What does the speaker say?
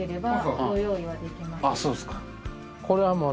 これは。